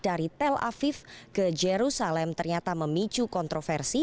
dari tel aviv ke jerusalem ternyata memicu kontroversi